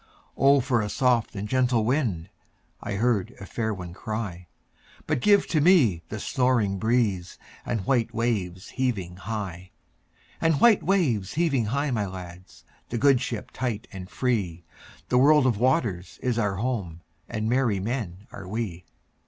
"O for a soft and gentle wind!"I heard a fair one cry:But give to me the snoring breezeAnd white waves heaving high; And white waves heaving high, my lads, The good ship tight and free—The world of waters is our home, And merry men are we.